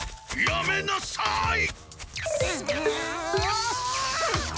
やめなさい！